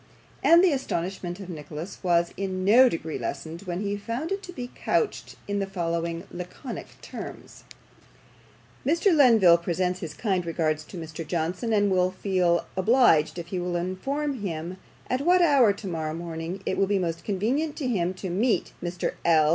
and the astonishment of Nicholas was in no degree lessened, when he found it to be couched in the following laconic terms: "Mr. Lenville presents his kind regards to Mr. Johnson, and will feel obliged if he will inform him at what hour tomorrow morning it will be most convenient to him to meet Mr. L.